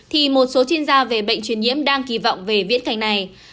thì một số chuyên gia về bệnh truyền nhiễm đang kỳ vọng về viễn cảnh này